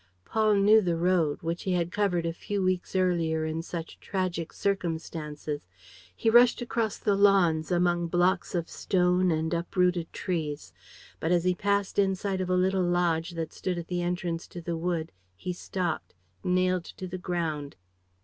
Paul knew the road, which he had covered a few weeks earlier in such tragic circumstances. He rushed across the lawns, among blocks of stone and uprooted trees. But, as he passed in sight of a little lodge that stood at the entrance to the wood, he stopped, nailed to the ground.